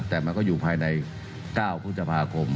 แต่มันก็อยู่ภายใน๙พฤษภาคม